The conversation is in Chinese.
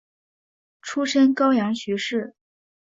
出身高阳许氏。